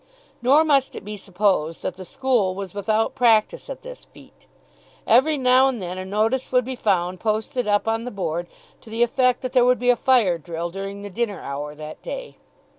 Nor must it be supposed that the school was without practice at this feat. Every now and then a notice would be found posted up on the board to the effect that there would be fire drill during the dinner hour that day.